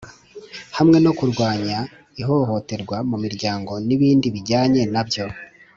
hamwe no kurwanya ihohoterwa mu miryango n’ibindi bijyanye nabyo.